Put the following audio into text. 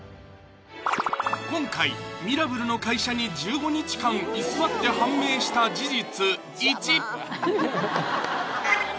今回ミラブルの会社に１５日間居座って判明した事実